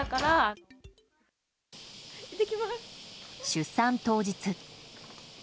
出産当日。